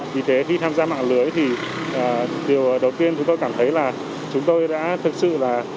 vì thế khi tham gia mạng lưới thì điều đầu tiên chúng tôi cảm thấy là chúng tôi đã thực sự là